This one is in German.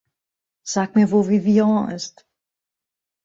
Sag mir, wo Vivien ist.